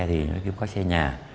thì nói kiếm có xe nhà